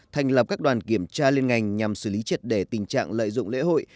thành lập các đoàn kiểm tra liên ngành nhằm xử lý triệt đề tình trạng lợi dụng lễ hội